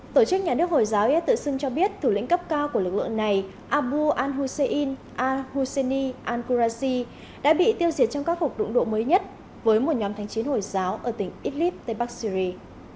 tổ chức nhà nước hồi giáo is tự xưng cho biết thủ lĩnh cấp cao của lực lượng này abu al hussein al husseini al qurasi đã bị tiêu diệt trong các hộp đụng độ mới nhất với một nhóm thành chiến hồi giáo ở tỉnh idlib tây bắc syrie